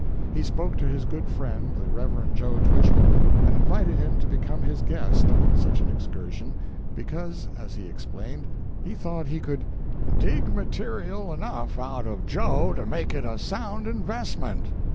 He spoke to his good friend, the Rev. "Joe" Twichell, and invited him to become his guest on such an excursion, because, as he explained, he thought he could "dig material enough out of Joe to make it a sound investment."